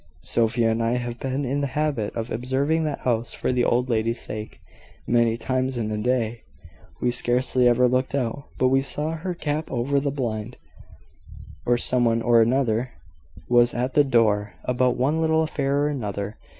Sophia and I have been in the habit of observing that house, for the old lady's sake, many times in a day. We scarcely ever looked out, but we saw her cap over the blind, or some one or another was at the door, about one little affair or another.